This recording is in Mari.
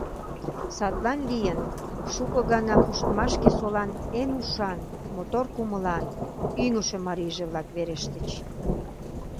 Садлан лийын, шуко гана пуштмашке солан эн ушан, мотор кумылан, ӱҥышӧ марийже-влак верештыч.